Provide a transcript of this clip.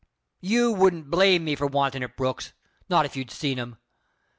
"You wouldn't blame me for wantin' it, Brooks not if you'd seen 'em.